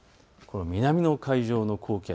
南の海上の高気圧。